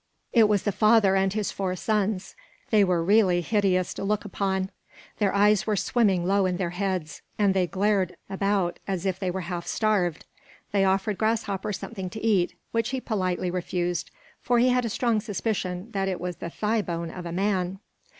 It was the father and his four sons. They were really hideous to look upon. Their eyes were swimming low in their heads, and they glared about as if they were half starved. They offered Grasshopper something to eat, which he politely refused, for he had a strong suspicion that it was the thigh bone of a man.